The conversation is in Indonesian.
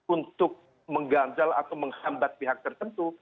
untuk mengganjal atau menghambat pihak tertentu